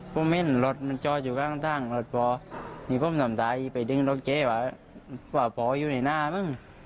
ผมเห็นรถมันจอดอยู่ข้างรถพอนี่ผมทำใดไปดึงรถเจ๊ว่าพออยู่ในหน้ามึง